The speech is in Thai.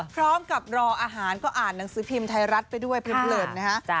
พร้อมกับรออาหารก็อ่านหนังสือพิมพ์ไทยรัฐไปด้วยเพลินนะฮะ